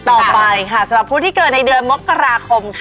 ต่อไปค่ะสำหรับผู้ที่เกิดในเดือนมกราคมค่ะ